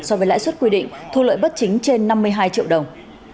so với lãi suất quy định thu lợi bất chính trên năm mươi hai triệu đồng